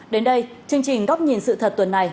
đến đây chương trình góc nhìn sự thật tuần này